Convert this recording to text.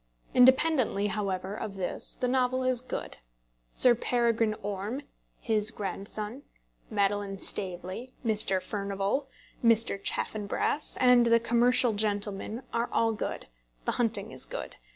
Independently, however, of this the novel is good. Sir Peregrine Orme, his grandson, Madeline Stavely, Mr. Furnival, Mr. Chaffanbrass, and the commercial gentlemen, are all good. The hunting is good.